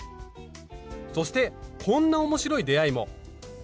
そしてこんな面白い出会いも。